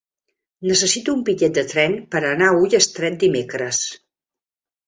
Necessito un bitllet de tren per anar a Ullastret dimecres.